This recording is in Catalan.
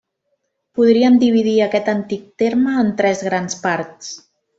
Podríem dividir aquest antic terme en tres grans parts.